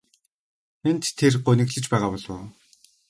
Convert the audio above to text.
Тэнд тэр гуниглаж байгаа болов уу?